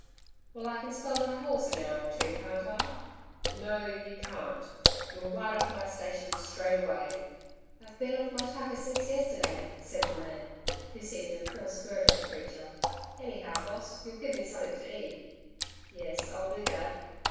'Well, I can spell my horse an hour or two, can't I?' 'No, you can't. You'll ride off my station straight away.' 'I've been off tucker since yesterday,' said the man, who seemed a poor spirited creature. 'Anyhow, Boss, you'll give me something to eat.' 'Yes, I'll do that.'